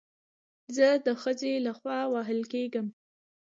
زه د ښځې له خوا وهل کېږم